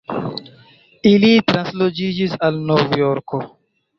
Ili transloĝiĝis al Nov-Jorko.